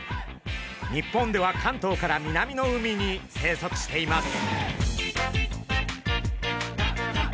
日本では関東から南の海に生息しています。